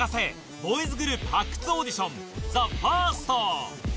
ボーイズグループ発掘オーディション、ＴＨＥＦＩＲＳＴ。